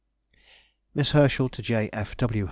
MISS HERSCHEL TO J. F. W.